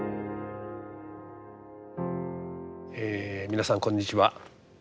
皆さんこんにちは。